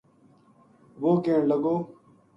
وہ کہن لگو